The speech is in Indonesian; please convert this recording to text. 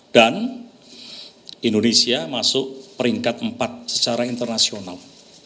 dan indonesia masuk peringkat empat secara internasional